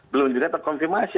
belum juga terkonfirmasi